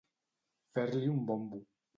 Fer-li un bombo.